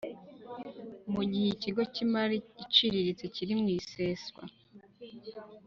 mu gihe ikigo cy imari iciriritse kiri mu iseswa